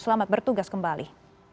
selamat bertugas kembali